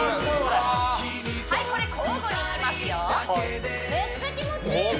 はいこれ交互にいきますよ